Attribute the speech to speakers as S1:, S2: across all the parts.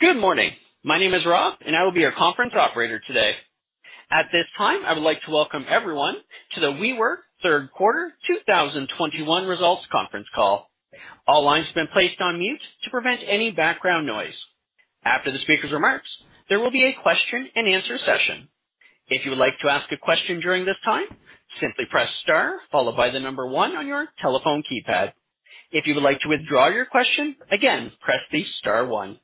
S1: Good morning. My name is Rob, and I will be your conference operator today. At this time, I would like to welcome everyone to the WeWork third quarter 2021 results conference call. All lines have been placed on mute to prevent any background noise. After the speaker's remarks, there will be a question-and-answer session. If you would like to ask a question during this time, simply press star followed by the number one on your telephone keypad. If you would like to withdraw your question, again, press the star one.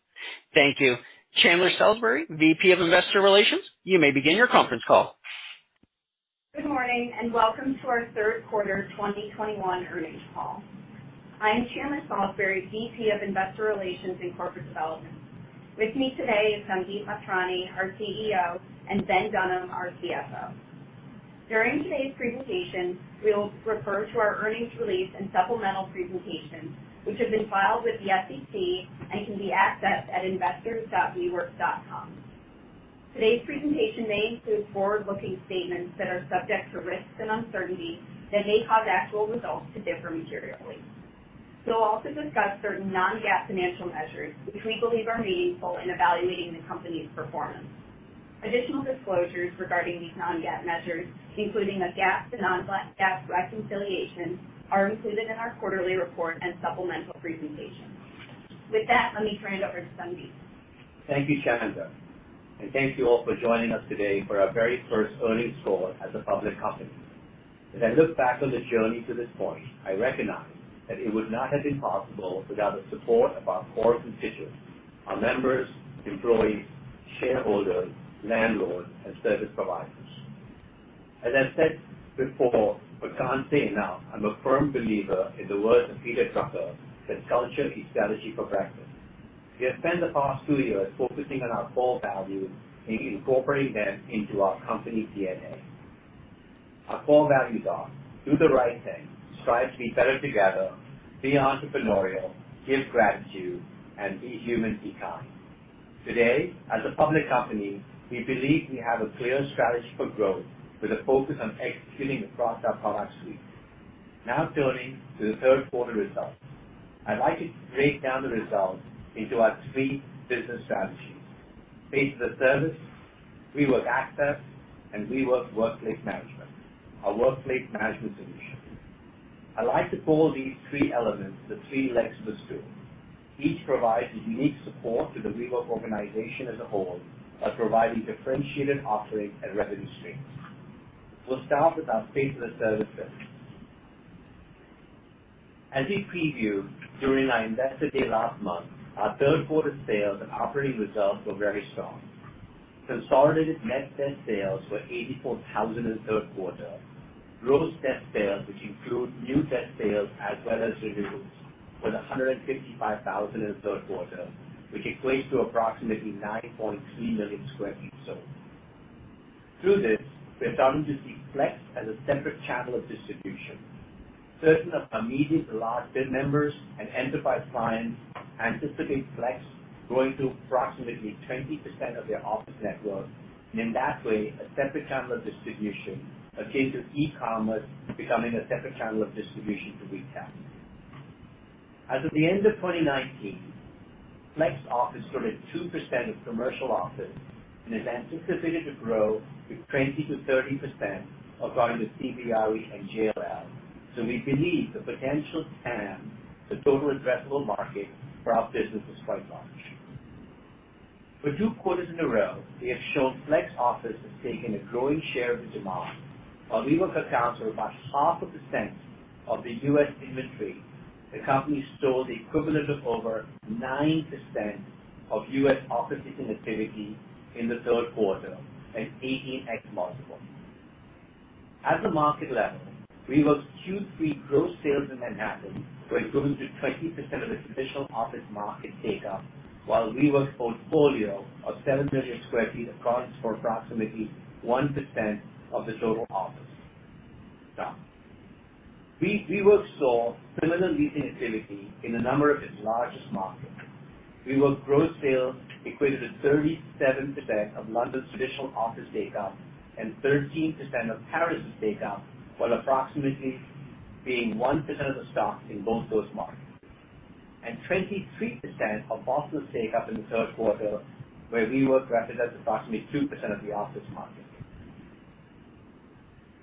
S1: Thank you. Chandler Salisbury, VP of Investor Relations, you may begin your conference call.
S2: Good morning, and welcome to our third quarter 2021 earnings call. I am Chandler Salisbury, VP of Investor Relations and Corporate Development. With me today is Sandeep Mathrani, our CEO, and Ben Dunham, our CFO. During today's presentation, we will refer to our earnings release and supplemental presentation, which have been filed with the SEC and can be accessed at investor.wework.com. Today's presentation may include forward-looking statements that are subject to risks and uncertainty that may cause actual results to differ materially. We'll also discuss certain non-GAAP financial measures, which we believe are meaningful in evaluating the company's performance. Additional disclosures regarding these non-GAAP measures, including a GAAP to non-GAAP reconciliation, are included in our quarterly report and supplemental presentation. With that, let me turn it over to Sandeep.
S3: Thank you, Chandler, and thank you all for joining us today for our very first earnings call as a public company. As I look back on the journey to this point, I recognize that it would not have been possible without the support of our core constituents, our members, employees, shareholders, landlords, and service providers. As I've said before, but can't say enough, I'm a firm believer in the words of Peter Drucker that culture eats strategy for breakfast. We have spent the past two years focusing on our core values and incorporating them into our company DNA. Our core values are do the right thing, strive to be better together, be entrepreneurial, give gratitude, and be human, be kind. Today, as a public company, we believe we have a clear strategy for growth with a focus on executing across our product suite. Now turning to the third quarter results. I'd like to break down the results into our three business strategies, Pay-for-the-service, WeWork Access, and WeWork Workplace Management, our workplace management solution. I like to call these three elements the three legs of the stool. Each provides unique support to the WeWork organization as a whole by providing differentiated offerings and revenue streams. We'll start with our pay-for-the-service first. As we previewed during our Investor Day last month, our third quarter sales and operating results were very strong. Consolidated net desk sales were 84,000 in the third quarter. Gross desk sales, which include new desk sales as well as renewals, were 155,000 in the third quarter, which equates to approximately 9.3 million sq ft sold. Through this, we're starting to see flex as a separate channel of distribution. Certain of our medium to large members and enterprise clients anticipate flex growing to approximately 20% of their office network, and in that way, a separate channel of distribution akin to e-commerce becoming a separate channel of distribution to retail. As of the end of 2019, flex office grew to 2% of commercial office and is anticipated to grow to 20%-30%, according to CBRE and JLL. We believe the potential TAM, the total addressable market, for our business is quite large. For two quarters in a row, we have shown flex office has taken a growing share of the demand. While WeWork accounts for about 0.5% of the U.S. inventory, the company sold the equivalent of over 9% of U.S. office leasing activity in the third quarter, an 18x multiple. At the market level, WeWork's Q3 gross sales in Manhattan were equivalent to 20% of its traditional office market take-up, while WeWork's portfolio of 7 million sq ft accounts for approximately 1% of the total office stock. WeWork saw similar leasing activity in a number of its largest markets. WeWork gross sales equated to 37% of London's traditional office take-up and 13% of Paris' take-up, while approximately being 1% of the stock in both those markets. 23% of Boston's take-up in the third quarter, where WeWork represented approximately 2% of the office market.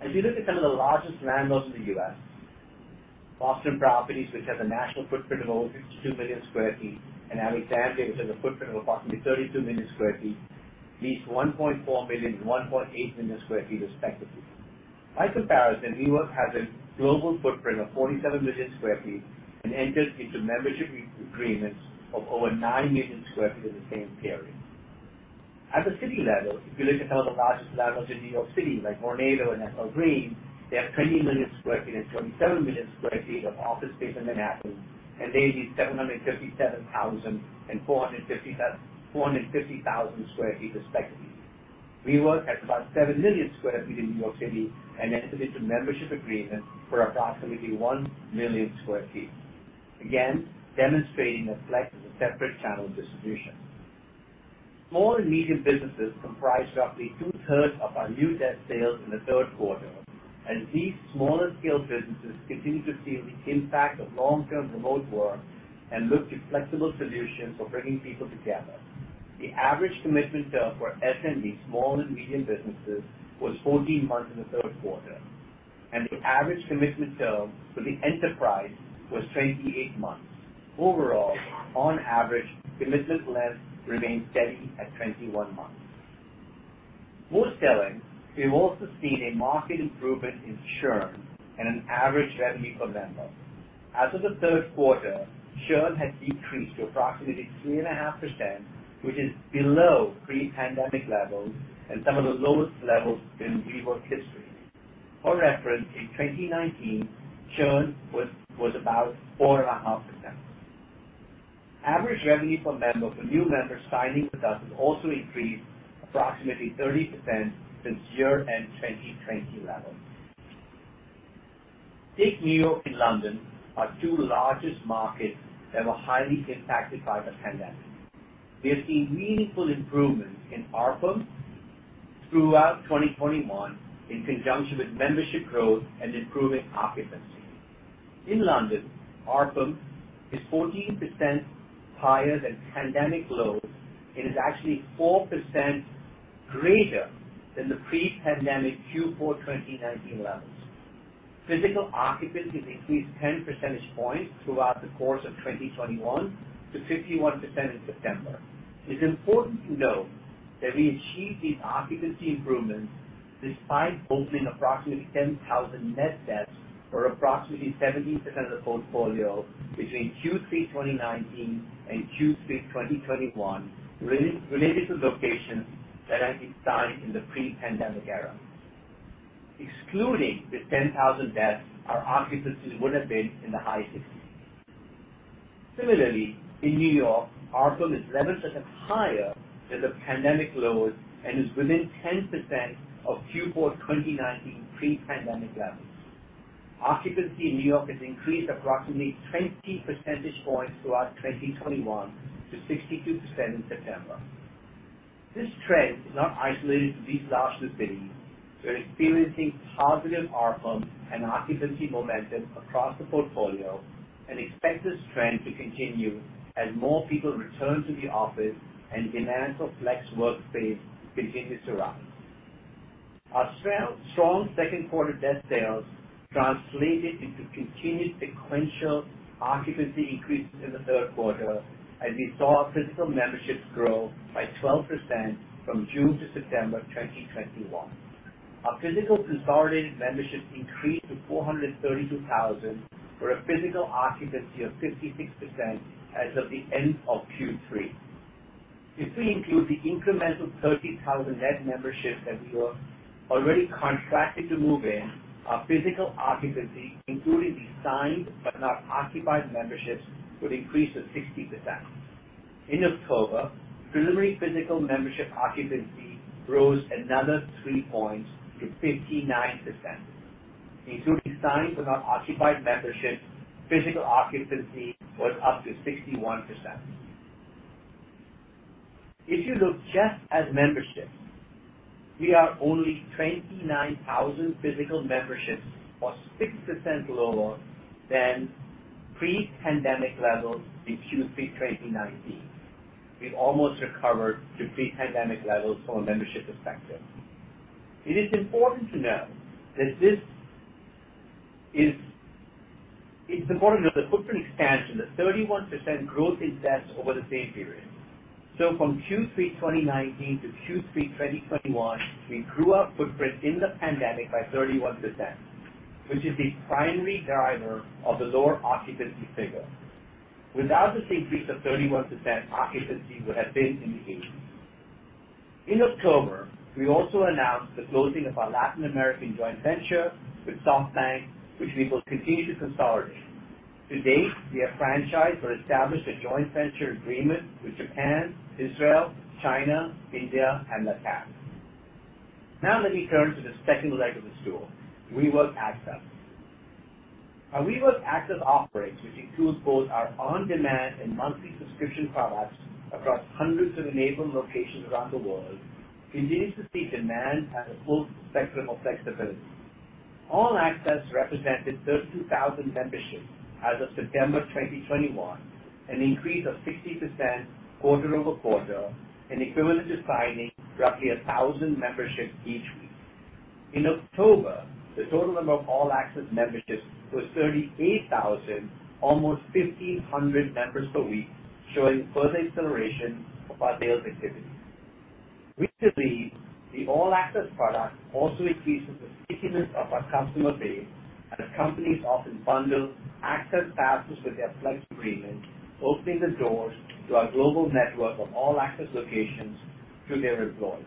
S3: As you look at some of the largest landlords in the U.S., Boston Properties, which has a national footprint of over 52 million sq ft, and Alexandria, which has a footprint of approximately 32 million sq ft, leased 1.4 million sq ft and 1.8 million sq ft, respectively. By comparison, WeWork has a global footprint of 47 million sq ft and entered into membership agreements of over 9 million sq ft in the same period. At the city level, if you look at some of the largest landlords in New York City, like Vornado and SL Green, they have 20 million sq ft and 27 million sq ft of office space in Manhattan, and they leased 757,000 sq ft and 450,000 sq ft, respectively. WeWork has about 7 million sq ft in New York City and entered into membership agreements for approximately 1 million sq ft. Again, demonstrating that flex is a separate channel of distribution. Small and medium businesses comprised roughly two-thirds of our new desk sales in the third quarter, and these smaller scale businesses continue to feel the impact of long-term remote work and look to flexible solutions for bringing people together. The average commitment term for SMB, small and medium businesses, was 14 months in the third quarter, and the average commitment term for the enterprise was 28 months. Overall, on average, commitment length remained steady at 21 months. Most telling, we have also seen a marked improvement in churn and an average revenue per member. As of the third quarter, churn had decreased to approximately 3.5%, which is below pre-pandemic levels and some of the lowest levels in WeWork history. For reference, in 2019, churn was about 4.5%. Average revenue per member for new members signing with us has also increased approximately 30% since year-end 2020 levels. Take New York and London, our two largest markets that were highly impacted by the pandemic. We have seen meaningful improvements in ARPM throughout 2021 in conjunction with membership growth and improving occupancy. In London, ARPM is 14% higher than pandemic lows and is actually 4% greater than the pre-pandemic Q4 2019 levels. Physical occupancy increased 10% points throughout the course of 2021 to 51% in September. It's important to note that we achieved these occupancy improvements despite opening approximately 10,000 net new desks for approximately 70% of the portfolio between Q3 2019 and Q3 2021 primarily related to locations that had been signed in the pre-pandemic era. Excluding the 10,000 desks, our occupancy would have been in the high 60s. Similarly, in New York, ARPM is 11% higher than the pandemic lows and is within 10% of Q4 2019 pre-pandemic levels. Occupancy in New York has increased approximately 20 percentage points throughout 2021 to 62% in September. This trend is not isolated to these large cities. We're experiencing positive ARPM and occupancy momentum across the portfolio and expect this trend to continue as more people return to the office and demand for flex workspace continues to rise. Our strong second quarter desk sales translated into continued sequential occupancy increases in the third quarter as we saw our physical memberships grow by 12% from June-September 2021. Our physical consolidated membership increased to 432,000 for a physical occupancy of 56% as of the end of Q3. If we include the incremental 30,000 net memberships that we were already contracted to move in, our physical occupancy, including the signed but not occupied memberships, would increase to 60%. In October, preliminary physical membership occupancy rose another three points to 59%. Including signed but not occupied memberships, physical occupancy was up to 61%. If you look just at memberships, we are only 29,000 physical memberships, or 6% lower than pre-pandemic levels in Q3 2019. We've almost recovered to pre-pandemic levels from a membership perspective. It's important to note the footprint expansion, the 31% growth in debt over the same period. From Q3 2019-Q3 2021, we grew our footprint in the pandemic by 31%, which is the primary driver of the lower occupancy figure. Without this increase of 31%, occupancy would have been in the 80s. In October, we also announced the closing of our Latin American joint venture with SoftBank, which we will continue to consolidate. To date, we have franchised or established a joint venture agreement with Japan, Israel, China, India, and Latin America. Now let me turn to the second leg of the stool, WeWork Access. Our WeWork Access offering, which includes both our on-demand and monthly subscription products across hundreds of enabled locations around the world, continues to see demand at the full spectrum of flexibility. All Access represented 13,000 memberships as of September 2021, an increase of 60% quarter-over-quarter, and equivalent to signing roughly 1,000 memberships each week. In October, the total number of All Access memberships was 38,000, almost 1,500 members per week, showing further acceleration of our sales activity. We believe the All Access product also increases the stickiness of our customer base, as companies often bundle Access passes with their flex agreement, opening the doors to our global network of All Access locations to their employees.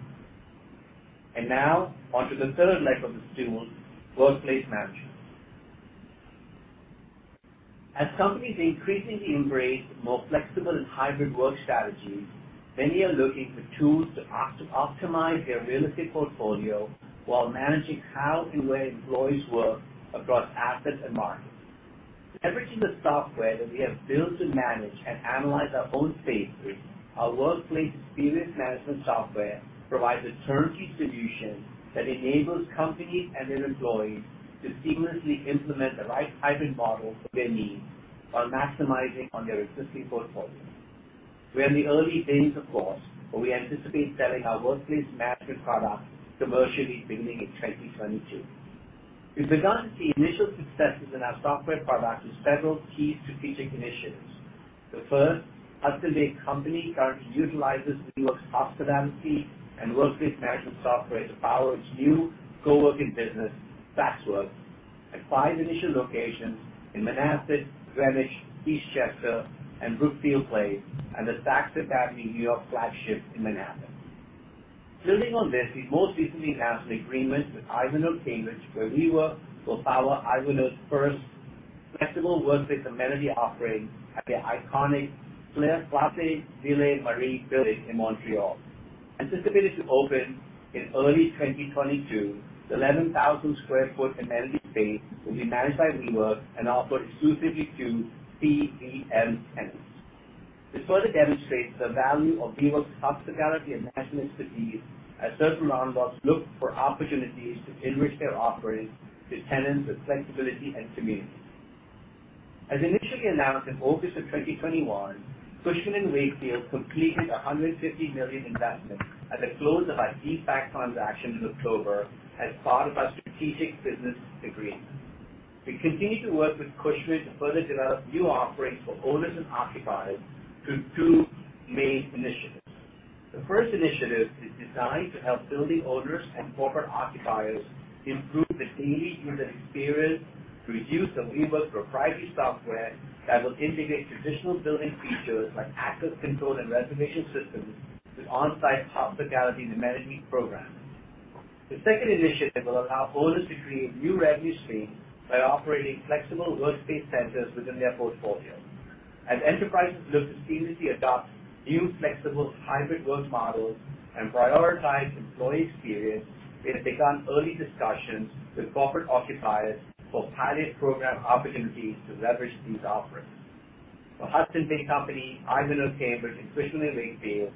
S3: Now onto the third leg of the stool, workplace management. As companies increasingly embrace more flexible and hybrid work strategies, many are looking for tools to optimize their real estate portfolio while managing how and where employees work across assets and markets. Leveraging the software that we have built to manage and analyze our own space through our workplace experience management software provides a turnkey solution that enables companies and their employees to seamlessly implement the right hybrid model for their needs while maximizing on their existing portfolios. We are in the early days, of course, but we anticipate selling our workplace management product commercially beginning in 2022. We've begun to see initial successes in our software products with several key strategic initiatives. The first, Hudson's Bay Company currently utilizes WeWork's hospitality and workplace management software to power its new co-working business, SaksWorks, at five initial locations in Manhasset, Greenwich, Eastchester, and Brookfield Place, and the Saks Fifth Avenue New York flagship in Manhasset. Building on this, we most recently announced an agreement with Ivanhoé Cambridge, where WeWork will power Ivanhoé's first flexible workspace amenity offering at their iconic Place Ville Marie building in Montreal. Anticipated to open in early 2022, the 11,000 sq ft amenity space will be managed by WeWork and offered exclusively to PVM tenants. This further demonstrates the value of WeWork's hospitality and management expertise as certain landlords look for opportunities to enrich their offerings to tenants with flexibility and community. As initially announced in August 2021, Cushman & Wakefield completed a $150 million investment at the close of our de-SPAC transaction in October as part of our strategic business combination. We continue to work with Cushman to further develop new offerings for owners and occupiers through two main initiatives. The first initiative is designed to help building owners and corporate occupiers improve the daily user experience through use of WeWork's proprietary software that will integrate traditional building features like access control and reservation systems with on-site hospitality and amenity programs. The second initiative will allow owners to create new revenue streams by operating flexible workspace centers within their portfolio. As enterprises look to seamlessly adopt new flexible hybrid work models and prioritize employee experience, we have begun early discussions with corporate occupiers for pilot program opportunities to leverage these offerings. For Hudson's Bay Company, Ivanhoé Cambridge, and Cushman & Wakefield,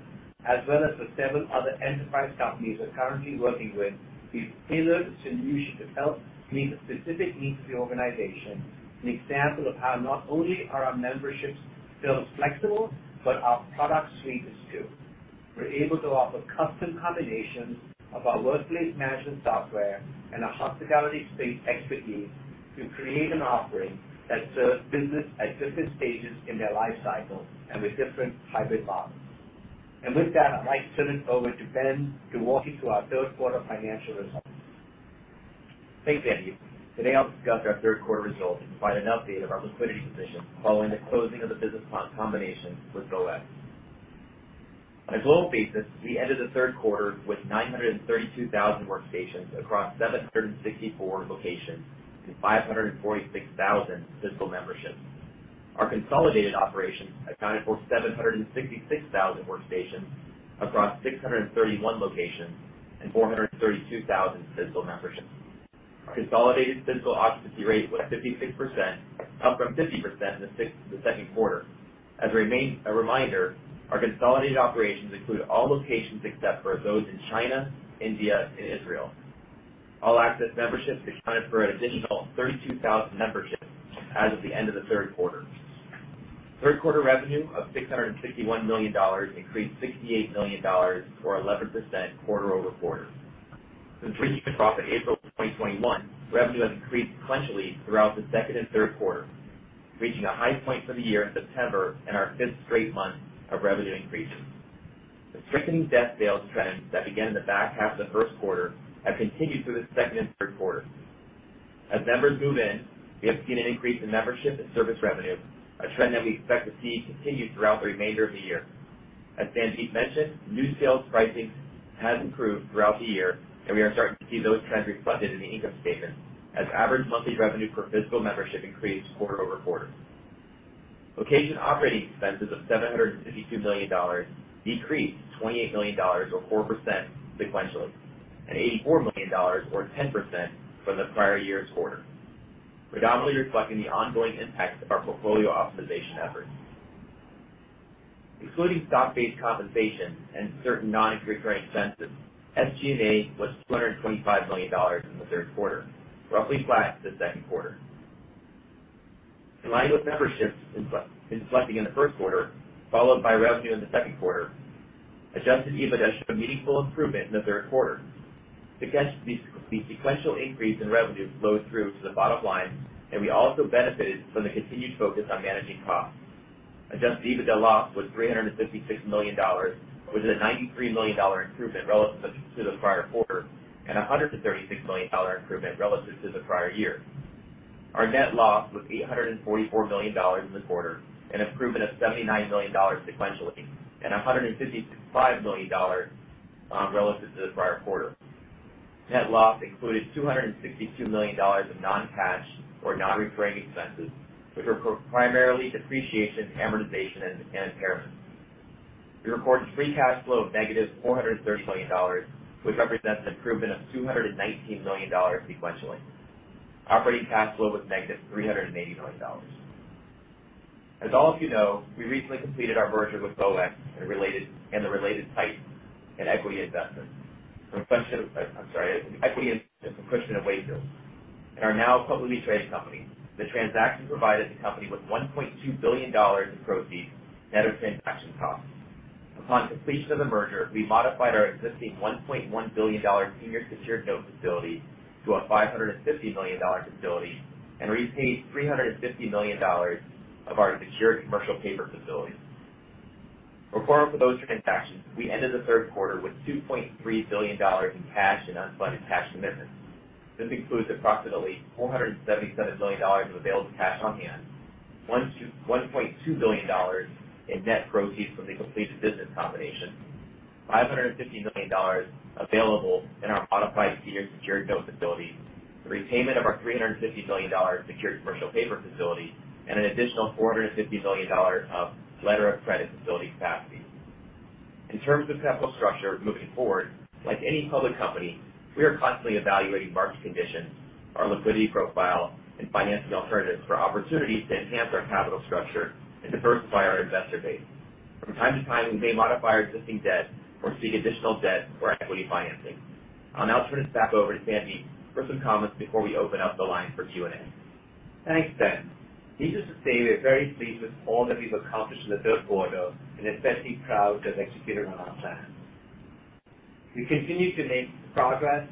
S3: as well as the several other enterprise companies we're currently working with, we've tailored a solution to help meet the specific needs of the organization, an example of how not only are our memberships built flexible, but our product suite is too. We're able to offer custom combinations of our workplace management software and our hospitality space expertise to create an offering that serves business at different stages in their life cycle and with different hybrid models. With that, I'd like to turn it over to Ben to walk you through our third quarter financial results.
S4: Thanks, Sandeep. Today, I'll discuss our third quarter results and provide an update of our liquidity position following the closing of the business combination with BowX. On a global basis, we ended the third quarter with 932,000 workstations across 764 locations and 546,000 physical memberships. Our consolidated operations accounted for 766,000 workstations across 631 locations and 432,000 physical memberships. Our consolidated physical occupancy rate was 56%, up from 50% in the second quarter. As a reminder, our consolidated operations include all locations except for those in China, India, and Israel. All access memberships accounted for an additional 32,000 memberships as of the end of the third quarter. Third quarter revenue of $661 million increased $68 million, or 11% quarter-over-quarter. Since reaching profit in April 2021, revenue has increased sequentially throughout the second and third quarter, reaching a high point for the year in September and our fifth straight month of revenue increases. The strengthening net sales trends that began in the back half of the first quarter have continued through the second and third quarter. As members move in, we have seen an increase in membership and service revenue, a trend that we expect to see continue throughout the remainder of the year. As Sandeep mentioned, new sales pricing has improved throughout the year, and we are starting to see those trends reflected in the income statement as average monthly revenue per physical membership increased quarter-over-quarter. Location operating expenses of $752 million decreased $28 million or 4% sequentially, and $84 million or 10% from the prior year's quarter, predominantly reflecting the ongoing impacts of our portfolio optimization efforts. Excluding stock-based compensation and certain non-recurring expenses, SG&A was $225 million in the third quarter, roughly flat to the second quarter. In line with memberships inflecting in the first quarter, followed by revenue in the second quarter, adjusted EBITDA showed meaningful improvement in the third quarter. The sequential increase in revenue flowed through to the bottom line, and we also benefited from the continued focus on managing costs. Adjusted EBITDA loss was $356 million, which is a $93 million improvement relative to the prior quarter and a $136 million improvement relative to the prior year. Our net loss was $844 million in the quarter, an improvement of $79 million sequentially and $155 million relative to the prior quarter. Net loss included $262 million of non-cash or non-recurring expenses, which were primarily depreciation, amortization, and impairments. We recorded Free Cash Flow of negative $430 million, which represents an improvement of $219 million sequentially. Operating cash flow was negative $380 million. As all of you know, we recently completed our merger with BowX and the related PIPE and equity investment from Cushman & Wakefield. We are now a publicly traded company. The transaction provided the company with $1.2 billion in proceeds, net of transaction costs. Upon completion of the merger, we modified our existing $1.1 billion senior secured note facility to a $550 million facility and repaid $350 million of our secured commercial paper facility. Before those transactions, we ended the third quarter with $2.3 billion in cash and unfunded cash commitments. This includes approximately $477 million of available cash on hand, $1.2 billion in net proceeds from the completed business combination, $550 million available in our modified senior secured note facility, the repayment of our $350 million secured commercial paper facility, and an additional $450 million of letter of credit facility capacity. In terms of capital structure moving forward, like any public company, we are constantly evaluating market conditions, our liquidity profile, and financing alternatives for opportunities to enhance our capital structure and diversify our investor base. From time to time, we may modify our existing debt or seek additional debt for equity financing. I'll now turn it back over to Sandy for some comments before we open up the line for Q&A.
S3: Thanks, Ben. Needless to say, we are very pleased with all that we've accomplished in the third quarter and especially proud to have executed on our plan. We continue to make progress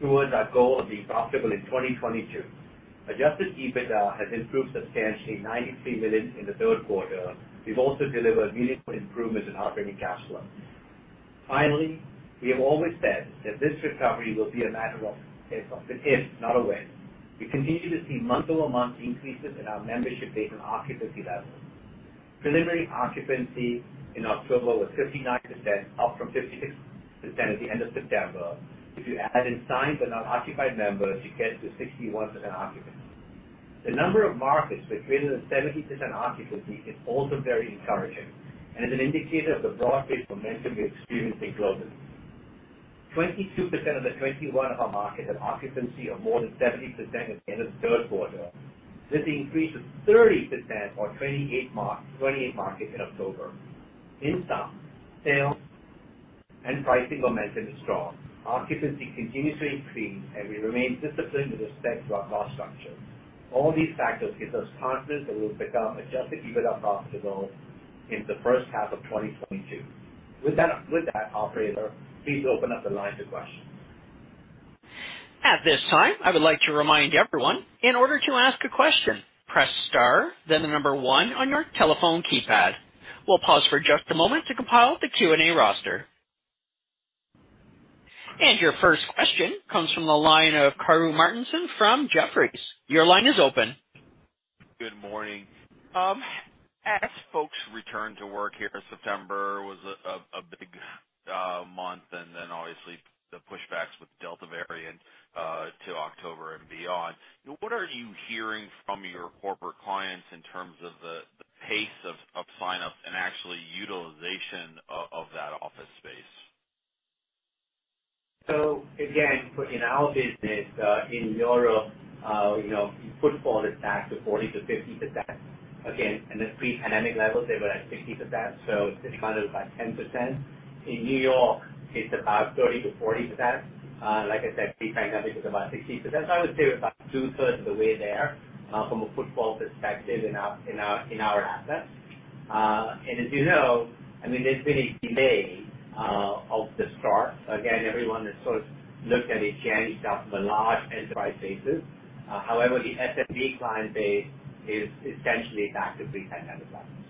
S3: towards our goal of being profitable in 2022. Adjusted EBITDA has improved substantially, $93 million in the third quarter. We've also delivered meaningful improvements in operating cash flows. Finally, we have always said that this recovery will be a matter of if, not when. We continue to see month-over-month increases in our membership base and occupancy levels. Preliminary occupancy in October was 59%, up from 56% at the end of September. If you add in signed but not occupied members, you get to 61% occupancy. The number of markets with greater than 70% occupancy is also very encouraging and is an indicator of the broad-based momentum we're experiencing globally. 22% of the 21 of our markets had occupancy of more than 70% at the end of the third quarter. This increased to 30% or 28 markets in October. In sum, sales and pricing momentum is strong. Occupancy continues to increase, and we remain disciplined with respect to our cost structure. All these factors give us confidence that we'll become adjusted EBITDA profitable in the first half of 2022. With that, operator, please open up the line to questions.
S1: At this time, I would like to remind everyone, in order to ask a question, press star then the number one on your telephone keypad. We'll pause for just a moment to compile the Q&A roster. Your first question comes from the line of Karru Martinson from Jefferies. Your line is open.
S5: Good morning. As folks return to work here, September was a big month and then obviously the pushbacks with Delta variant to October and beyond. What are you hearing from your corporate clients in terms of the pace of signups and actually utilization of that office space?
S3: Again, in our business in Europe, you know, footfall is back to 40%-50%. Again, in the pre-pandemic levels, they were at 60%. It's discounted by 10%. In New York, it's about 30%-40%. Like I said, pre-pandemic was about 60%. That's why I would say we're about two-thirds of the way there from a footfall perspective in our assets. And as you know, I mean, there's been a delay of the start. Again, everyone has sort of looked at it cautiously, especially the large enterprise spaces. However, the SMB client base is essentially back to pre-pandemic levels.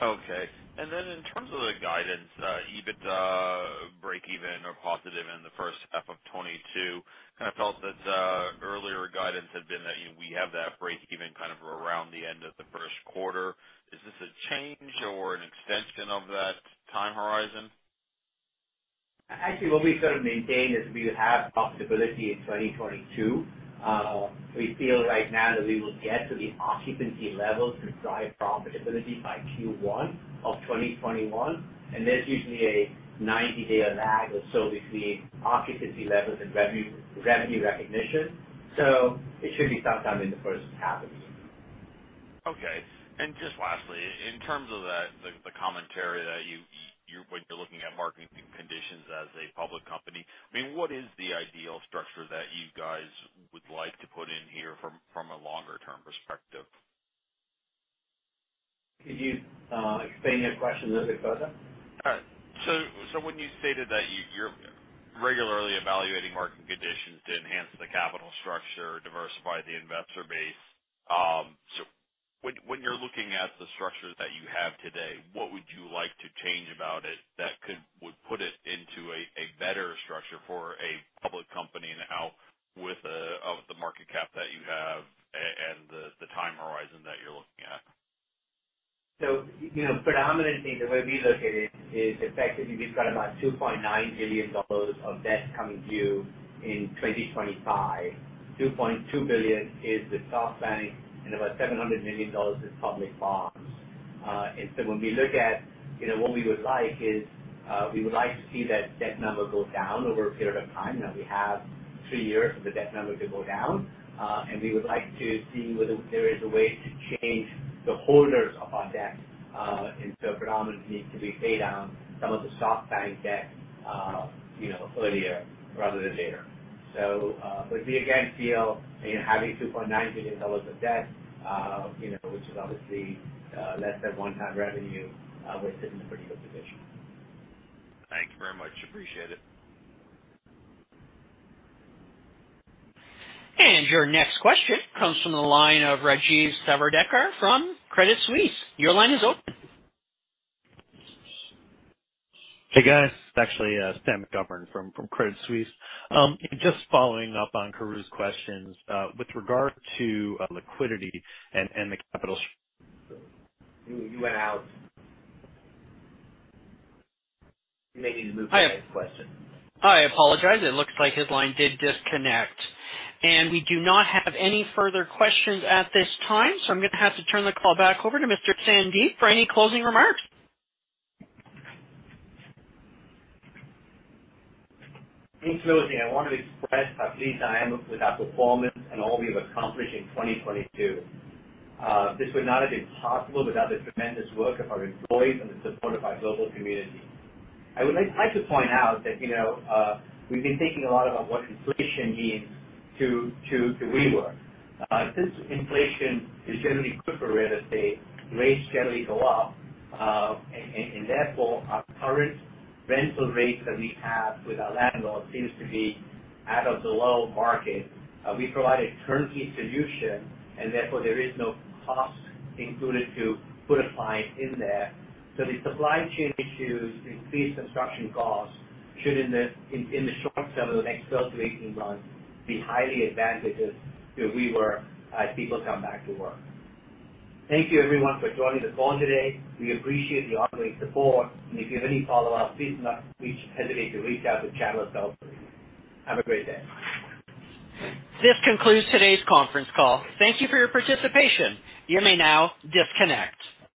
S5: Okay. In terms of the guidance, EBITDA break even or positive in the first half of 2022, kind of felt that earlier guidance had been that, you know, we have that break even kind of around the end of the first quarter. Is this a change or an extension of that time horizon?
S3: Actually, what we sort of maintained is we would have profitability in 2022. We feel right now that we will get to the occupancy levels to drive profitability by Q1 of 2021, and there's usually a 90-day lag or so between occupancy levels and revenue recognition. It should be sometime in the first half of the year.
S5: Okay. Just lastly, in terms of the commentary that you when you're looking at market conditions as a public company, I mean, what is the ideal structure that you guys would like to put in here from a longer term perspective?
S3: Could you explain your question a little bit further?
S5: All right. When you stated that you're regularly evaluating market conditions to enhance the capital structure, diversify the investor base, so when you're looking at the structure that you have today, what would you like to change about it that would put it into a better structure for a public company now with of the market cap that you have and the time horizon that you're looking at?
S3: You know, predominantly the way we look at it is effectively we've got about $2.9 billion of debt coming due in 2025. $2.2 billion is with SoftBank and about $700 million is public bonds. And so when we look at, you know, what we would like is, we would like to see that debt number go down over a period of time. Now we have three years for the debt number to go down, and we would like to see whether there is a way to change the holders of our debt, and so predominantly to be paid down some of the SoftBank debt, you know, earlier rather than later. we again feel, you know, having $2.9 billion of debt, you know, which is obviously less than 1x revenue, we're sitting in a pretty good position.
S5: Thank you very much. Appreciate it.
S1: Your next question comes from the line of Rajesh Savadekar from Credit Suisse. Your line is open.
S6: Hey, guys. It's actually Sam McGovern from Credit Suisse. Just following up on Karru's questions with regard to liquidity and the capital-
S3: You went out. You may need to move to the next question.
S1: I apologize. It looks like his line did disconnect. We do not have any further questions at this time, so I'm gonna have to turn the call back over to Mr. Sandeep for any closing remarks.
S3: In closing, I want to express how pleased I am with our performance and all we have accomplished in 2022. This would not have been possible without the tremendous work of our employees and the support of our global community. I would like to point out that, you know, we've been thinking a lot about what inflation means to WeWork. Since inflation is generally good for real estate, rates generally go up, and therefore, our current rental rates that we have with our landlords seems to be out of the low market. We provide a turnkey solution, and therefore there is no cost included to put a client in there. The supply chain issues, increased construction costs should in the short term, over the next 12-18 months, be highly advantageous to WeWork as people come back to work. Thank you everyone for joining the call today. We appreciate the ongoing support. If you have any follow-up, please do not hesitate to reach out to Chandler's office. Have a great day.
S1: This concludes today's conference call. Thank you for your participation. You may now disconnect.